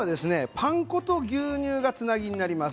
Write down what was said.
パン粉と牛乳がつなぎになります。